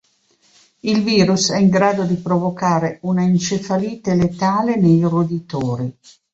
Il virus è in grado di provocare una encefalite letale nei roditori.